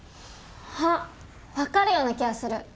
あっ分かるような気がする。